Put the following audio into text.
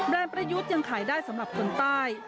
ประยุทธ์ยังขายได้สำหรับคนใต้